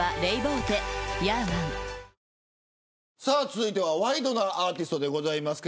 続いてはワイドｎａアーティストです。